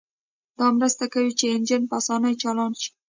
دا مرسته کوي چې انجن په اسانۍ چالان شي